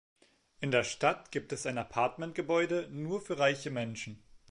In der Stadt gibt es ein Appartmentgebäude nur für reiche Menschen.